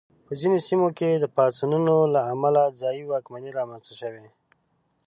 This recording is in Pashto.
په ځینو سیمو کې پاڅونونو له امله ځايي واکمنۍ رامنځته شوې.